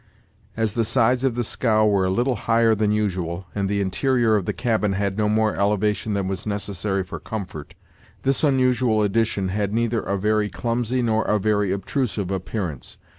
As the sides of the scow were a little higher than usual, and the interior of the cabin had no more elevation than was necessary for comfort, this unusual addition had neither a very clumsy nor a very obtrusive appearance.